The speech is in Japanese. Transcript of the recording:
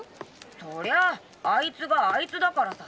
そりゃああいつがあいつだからさ。